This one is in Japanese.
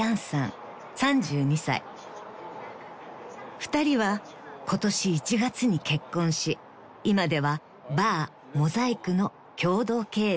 ［２人は今年１月に結婚し今ではバーＭＯＳＡＩＣの共同経営者です］